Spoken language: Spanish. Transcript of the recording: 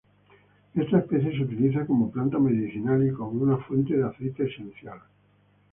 Esta especie se utiliza como planta medicinal y como una fuente de aceite esencial.